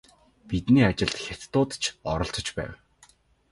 Бидний ажилд хятадууд ч оролцож байв.